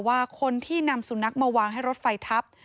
ว่าคนที่นำสุนัขมาวางให้รถไฟทับ